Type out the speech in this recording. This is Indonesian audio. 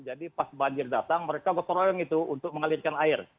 jadi pas banjir datang mereka gotong royong itu untuk mengalirkan air